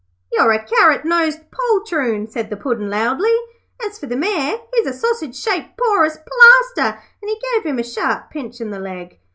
'You're a carrot nosed poltroon,' said the Puddin' loudly. 'As for the Mayor, he's a sausage shaped porous plaster,' and he gave him a sharp pinch in the leg.